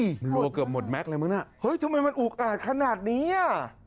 กลัวเกือบหมดแม็กซเลยมั้งอ่ะเฮ้ยทำไมมันอุกอาดขนาดนี้อ่ะ